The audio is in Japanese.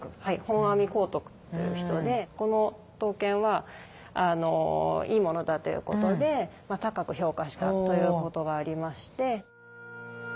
本阿弥光徳という人でこの刀剣はいいものだということで高く評価したということがありまして。